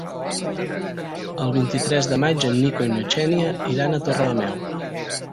El vint-i-tres de maig en Nico i na Xènia iran a Torrelameu.